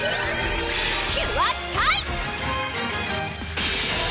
キュアスカイ！